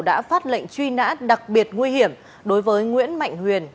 đã phát lệnh truy nã đặc biệt nguy hiểm đối với nguyễn mạnh huyền